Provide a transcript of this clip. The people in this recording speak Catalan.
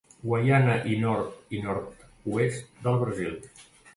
Guaiana i nord i nord-est del Brasil.